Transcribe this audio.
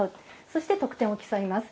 そして、得点を競います。